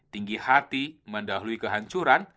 tinggi hati mendahului kehancuran